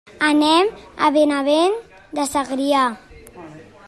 Anem a Benavent de Segrià.